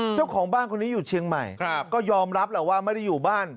เจ้าของบ้านคนนี้อยู่เชียงใหม่ก็ยอมรับแหละว่าไม่ได้อยู่บ้าน